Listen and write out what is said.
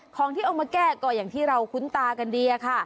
ของที่เอามาแก้ก็อย่างที่เราคุ้นตากันดีค่ะ